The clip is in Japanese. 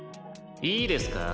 「いいですか？